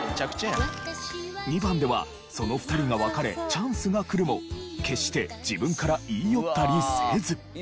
２番ではその２人が別れチャンスが来るも決して自分から言い寄ったりせず。